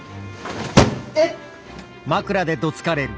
えっ！？